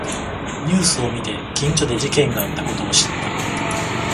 ニュースを見て近所で事件があったことを知った